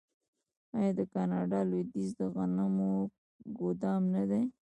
آیا د کاناډا لویدیځ د غنمو ګدام نه دی؟